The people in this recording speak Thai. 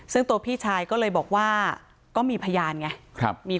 ซึ่งตัวพี่ชายก็เลยบอกว่าก็มีพยานไง